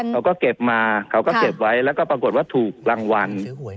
เขาก็เก็บมาเขาก็เก็บไว้แล้วก็ปรากฏว่าถูกรางวัล